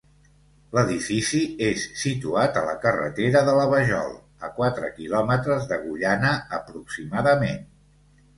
L'edifici és situat a la carretera de la Vajol, a quatre quilòmetres d'Agullana, aproximadament.